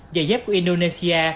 dày dép của indonesia